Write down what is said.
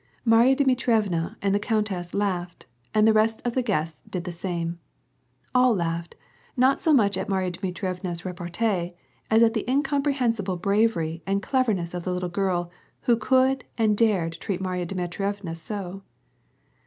Marya Dmitrievna and the countess laughed, and the rest of the guests did the same. All laughed, not so much at Marya Dmitrieviia's repartee, as at the incomprehensible bravery and cleverness of the little girl who could and dared treat Marya Dmitrievna so.